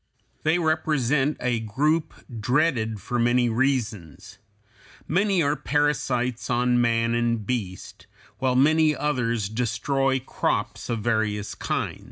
They represent a group dreaded for many reasons; many are parasites on man and beast, while many others destroy crops of various kinds.